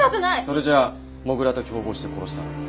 それじゃあ土竜と共謀して殺したのか？